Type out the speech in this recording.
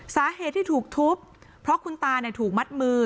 สาเหตุที่ถูกทุบเพราะคุณตาถูกมัดมือ